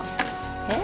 えっ？